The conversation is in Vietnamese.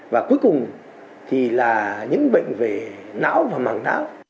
và cuối cùng thì là những bệnh về não và mảng não